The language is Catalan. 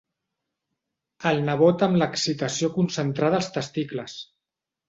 El nebot amb l'excitació concentrada als testicles.